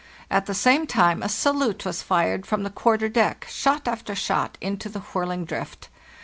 At the same time a salute was fired from the quarter deck, shot after shot, into the whirling drift.